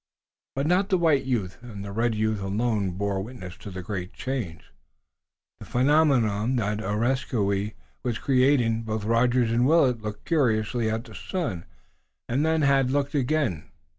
But not the white youth and the red youth alone bore witness to the great change, the phenomenon even, that Areskoui was creating. Both Rogers and Willet had looked curiously at the sun, and then had looked again.